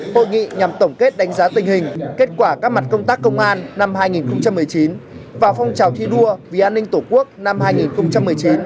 hội nghị nhằm tổng kết đánh giá tình hình kết quả các mặt công tác công an năm hai nghìn một mươi chín và phong trào thi đua vì an ninh tổ quốc năm hai nghìn một mươi chín